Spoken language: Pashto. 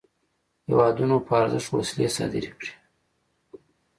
هیوادونو په ارزښت وسلې صادري کړې.